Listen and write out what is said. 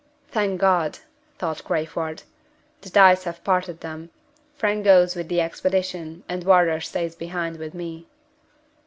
"Thank God!" thought Crayford, "the dice have parted them! Frank goes with the expedition, and Wardour stays behind with me."